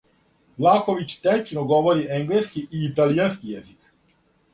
Влаховић течно говори енглески и италијански језик.